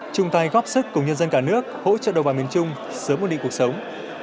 chung tay góp sức cùng nhân dân cả nước hỗ trợ đồng bào miền trung sớm ổn định cuộc sống